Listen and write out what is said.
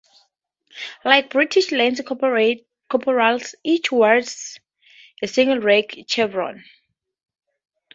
Like British lance corporals, each wears a single rank chevron.